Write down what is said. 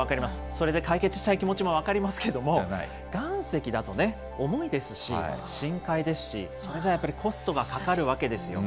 それで解決したい気持ちも分かりますけども、岩石だとね、重いですし、深海ですし、それじゃあやっぱり、コストがかかるわけですよ。